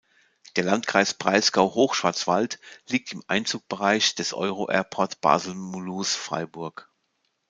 Der Landkreis Breisgau-Hochschwarzwald liegt im Einzugsbereich des Euro-Airport Basel-Mulhouse-Freiburg.